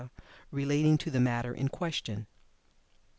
relating to the matter in question.